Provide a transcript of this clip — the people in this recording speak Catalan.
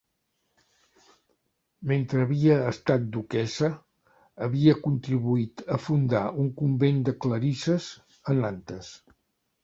Mentre havia estat duquessa, havia contribuït a fundar un convent de clarisses a Nantes.